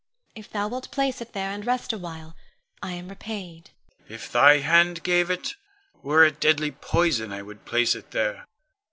If thou wilt place it there, and rest awhile, I am repaid. Con. If thy hand gave it, were it deadly poison I would place it there.